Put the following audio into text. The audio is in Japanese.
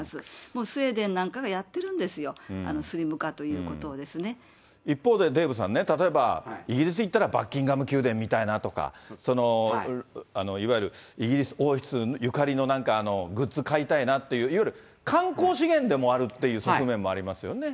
もうスウェーデンなんかがやってるんですよ、スリム化ということ一方で、デーブさんね、例えばイギリス行ったらバッキンガム宮殿みたいなとか、いわゆるイギリス王室ゆかりの、なんか、グッズ買いたいなっていう、いわゆる観光資源でもあるっていう側面もありますよね。